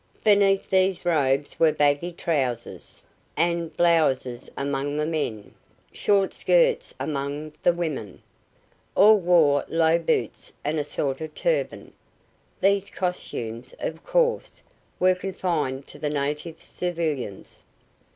Beneath these robes were baggy trousers and blouses among the men, short skirts among the women. All wore low boots and a sort of turban. These costumes, of course, were confined to the native civilians.